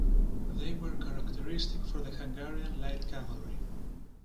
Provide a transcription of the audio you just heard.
They were characteristic for the Hungarian light cavalry.